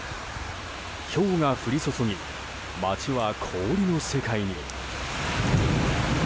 ひょうが降り注ぎ街は氷の世界に。